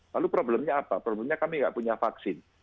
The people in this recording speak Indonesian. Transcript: lalu problemnya apa problemnya kami tidak punya vaksin